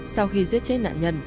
sau khi giết chết nạn nhân